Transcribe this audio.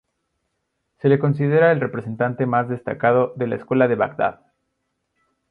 Se le considera el representante más destacado de la escuela de Bagdad.